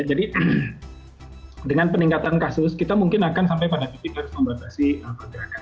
jadi dengan peningkatan kasus kita mungkin akan sampai pada titik yang harus membatasi kegerakan